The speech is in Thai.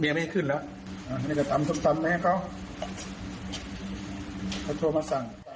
เมียไม่ขึ้นแล้วอ่ามีอะไรทำไม่ให้เขา